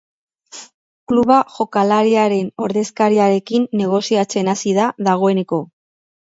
Kluba jokalariaren ordezkariarekin negoziatzen hasi da dagoeneko.